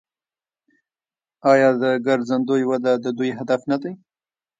آیا د ګرځندوی وده د دوی هدف نه دی؟